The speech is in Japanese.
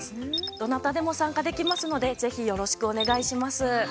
どなたでも参加できますのでぜひ、よろしくお願いします。